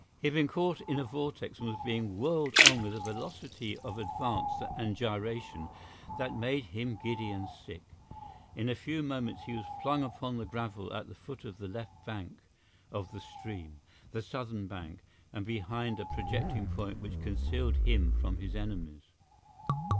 He had been caught in a vortex and was being whirled on with a velocity of advance and gyration that made him giddy and sick. In few moments he was flung upon the gravel at the foot of the left bank of the stream—the southern bank—and behind a projecting point which concealed him from his enemies.